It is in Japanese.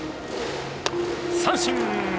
三振！